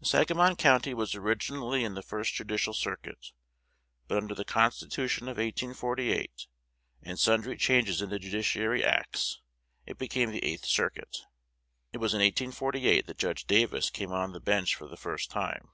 Sangamon County was originally in the First Judicial Circuit; but under the Constitution of 1848, and sundry changes in the Judiciary Acts, it became the Eighth Circuit. It was in 1848 that Judge Davis came on the bench for the first time.